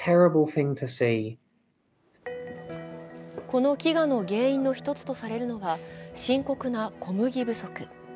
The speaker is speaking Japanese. この飢餓の原因の一つとされるのが深刻な小麦不足。